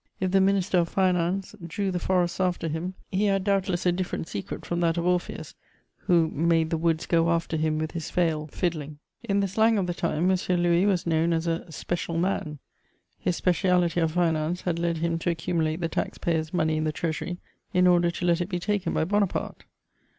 If the Minister of Finance drew the forests after him, he had doubtless a different secret from that of Orpheus, who "made the woods go after him with his fail; fiddling." In the slang of the time, M. Louis was known as a "special" man; his speciality of finance had led him to accumulate the tax payers' money in the Treasury in order to let it be taken by Bonaparte.